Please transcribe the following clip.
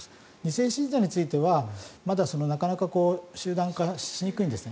２世信者についてはまだなかなか集団化しにくいです。